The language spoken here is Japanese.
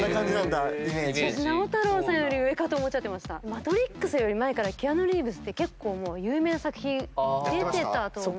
『マトリックス』より前からキアヌ・リーブスって結構有名な作品出てたと思うので。